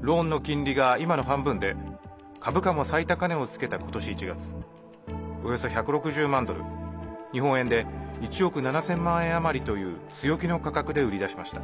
ローンの金利が今の半分で株価も最高値をつけた今年１月およそ１６０万ドル、日本円で１億７０００万円余りという強気の価格で売り出しました。